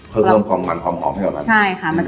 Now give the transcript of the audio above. เพื่อพร้อมมันมันหอมให้หนัง